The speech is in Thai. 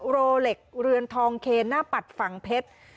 โรเล็กเรือนทองเคนหน้าปัดฝั่งเพชร